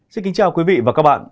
xin kính chào quý vị và các bạn